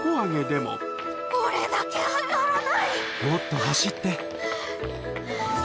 もっと走って。